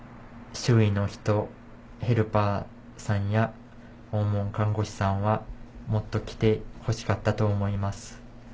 周囲の人ヘルパーさんや訪問看護師さんはもっと来てほしかったと思います。